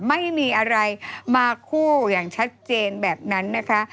ไม่มีอะไรมาคู่อย่างชัดเจนแบบนั้นนะคะ